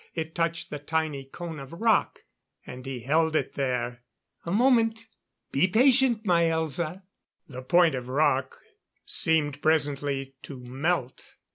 It touched the tiny cone of rock, and he held it there. "A moment. Be patient, my Elza." The point of rock seemed presently to melt.